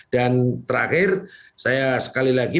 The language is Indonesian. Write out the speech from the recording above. dan terakhir saya sekali lagi